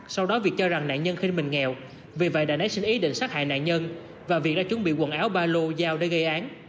sau đó việt cho rằng nạn nhân khiến mình nghèo vì vậy đàn ác xin ý định sát hại nạn nhân và việt đã chuẩn bị quần áo ba lô dao để gây án